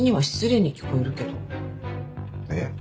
えっ？